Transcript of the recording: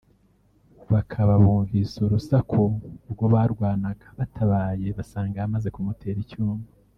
bakaba bumvise urusaku ubwo barwanaga batabaye basanga yamaze kumutera icyuma